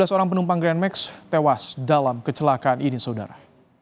tiga belas orang penumpang grand max tewas dalam kecelakaan ini saudara